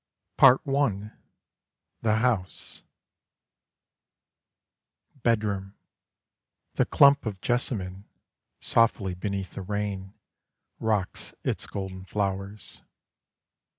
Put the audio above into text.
PART I. THE HOUSE BEDROOM The clump of jessamine Softly beneath the rain Rocks its golden flowers.